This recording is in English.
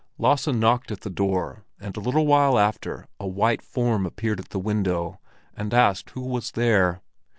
Lasse knocked at the door, and a little while after a white form appeared at the window, and asked who was there.